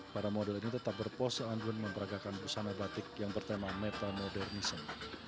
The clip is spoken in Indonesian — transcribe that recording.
para model ini tetap berpose anggun memperagakan busana batik yang bertema metamodernison